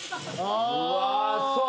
うわそう。